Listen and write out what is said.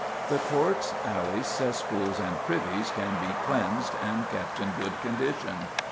The courts, alleys, cesspools, and privies can be cleansed and kept in good condition.